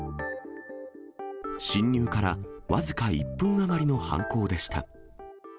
侵入から僅か１分余りの犯行でした。